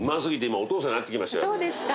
そうですか